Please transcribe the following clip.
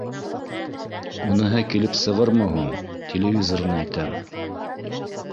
— Уныһы килеп сығырмы һуң? Телевизорын әйтәм